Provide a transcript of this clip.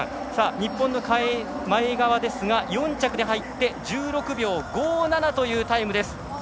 日本の前川ですが、４着で入って１６秒５７というタイム。